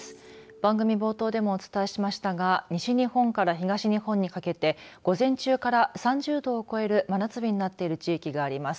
番組冒頭でもお伝えしましたが西日本から東日本にかけて午前中から３０度を超える真夏日になっている地域があります。